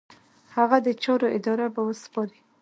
هغه د چارو اداره به وسپاري.